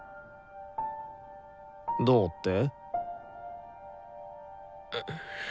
どうって？